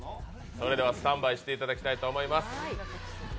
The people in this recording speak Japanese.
スタンバイしていただきたいと思います。